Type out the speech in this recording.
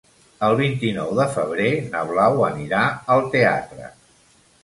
El vint-i-nou de febrer na Blau anirà al teatre.